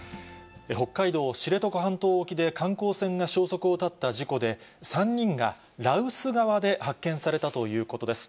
北海道知床半島沖で観光船が消息を絶った事故で、３人が羅臼側で発見されたということです。